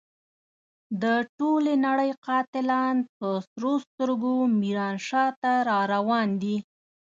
د ټولې نړۍ قاتلان په سرو سترګو ميرانشاه ته را روان دي.